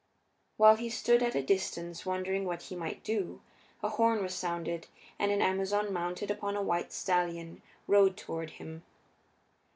While he stood at a distance, wondering what he might do, a horn was sounded and an Amazon mounted upon a white stallion rode toward him.